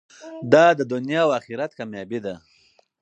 دا د دنیا او اخرت کامیابي ده.